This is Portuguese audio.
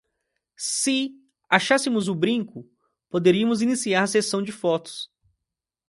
Se achássemos o brinco, poderíamos iniciar a sessão de fotos.